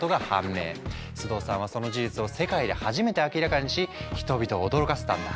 須藤さんはその事実を世界で初めて明らかにし人々を驚かせたんだ。